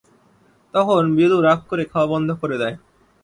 তখন বিলু রাগ করে খাওয়া বন্ধ করে দেয়।